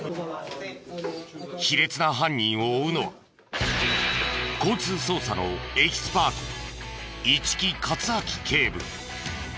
卑劣な犯人を追うのは交通捜査のエキスパート。